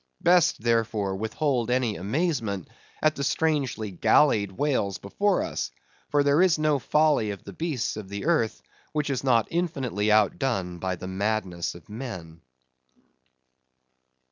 Best, therefore, withhold any amazement at the strangely gallied whales before us, for there is no folly of the beasts of the earth which is not infinitely outdone by the madness of men.